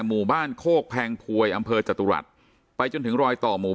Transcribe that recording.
หมู่บ้านโคกแพงพวยอำเภอจตุรัสไปจนถึงรอยต่อหมู่